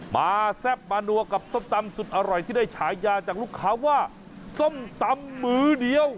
แซ่บมานัวกับส้มตำสุดอร่อยที่ได้ฉายาจากลูกค้าว่าส้มตำมื้อเดียว